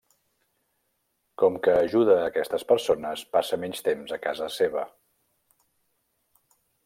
Com que ajuda aquestes persones, passa menys temps a casa seva.